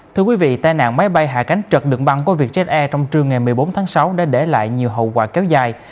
thưa quý vị tai nạn máy bay hạ cánh trật đường băng của vietjet air trong trường ngày một mươi bốn tháng sáu đã để lại nhiều hậu quả kéo dài